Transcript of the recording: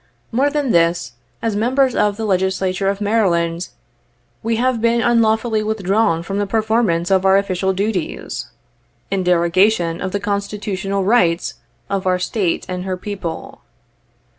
More than this, as members of the Legislature of Maryland, we have been unlawfully withdrawn from the performance of our official duties, in derogation 65 of the constitutional rights of our State and her people.